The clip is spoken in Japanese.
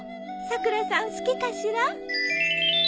さくらさん好きかしら？